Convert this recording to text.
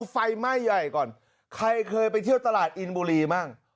ไฟไหม้ใหญ่ก่อนใครเคยไปเที่ยวตลาดอินบุรีบ้าง